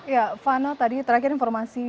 ya fano tadi terakhir informasi